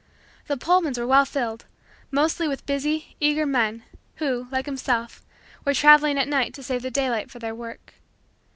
The Pullmans were well filled, mostly with busy, eager, men who, like himself, were traveling at night to save the daylight for their work.